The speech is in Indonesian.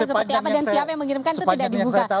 seperti apa dan siapa yang mengirimkan itu tidak dibuka